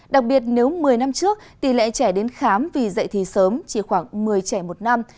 đặc biệt nếu một mươi năm trước tỷ lệ trẻ đến khám vì dạy thì sớm chỉ khoảng một mươi trẻ một năm